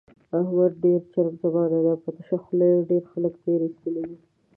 احمد ډېر چرب زبان دی، په تشه خوله یې ډېر خلک تېر ایستلي دي.